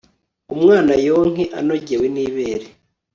umwana yonke anogewe nibere